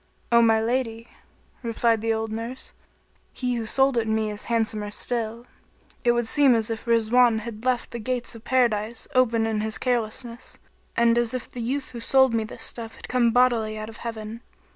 "O my lady," replied the old nurse, "he who sold it me is handsomer still. It would seem as if Rizwan had left the gates of Paradise open in his carelessness, and as if the youth who sold me this stuff had come bodily out of Heaven.